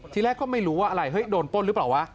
ทีแรกก็ไม่รู้ว่าอะไรเฮ้ยโดนป้นหรือเปล่าวะ